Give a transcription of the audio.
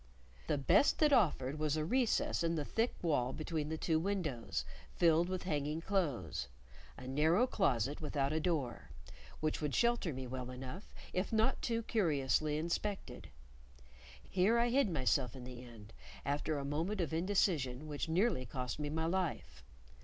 The best that offered was a recess in the thick wall between the two windows, filled with hanging clothes: a narrow closet without a door, which would shelter me well enough if not too curiously inspected. Here I hid myself in the end, after a moment of indecision which nearly cost me my life.